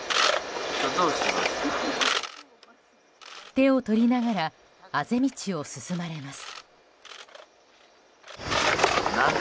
手を取りながらあぜ道を進まれます。